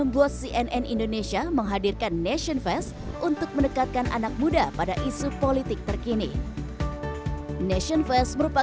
di usia usia tersebut mereka banyak memberikan perhatian pada isu misalnya isu kesehatan isu korupsi